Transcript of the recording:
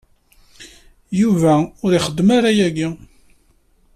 Yuba ur ixeddem ara aya.